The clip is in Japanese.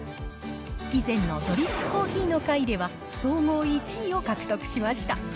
以前のドリップコーヒーの回では、総合１位を獲得しました。